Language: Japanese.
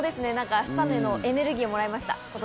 明日へのエネルギーをもらいました今年も。